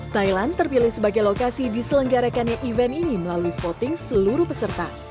thailand terpilih sebagai lokasi di selenggara karya event ini melalui voting seluruh peserta